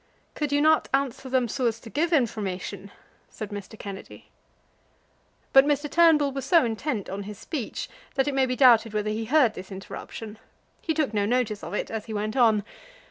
"Could you not answer them so as to give information?" said Mr. Kennedy. But Mr. Turnbull was so intent on his speech that it may be doubted whether he heard this interruption. He took no notice of it as he went on.